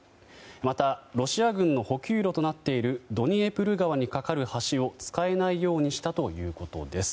また、ロシア軍の補給路となっているドニエプル川に架かる橋を使えないようにしたということです。